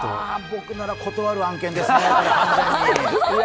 僕なら断る案件でしたね。